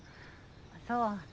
そう。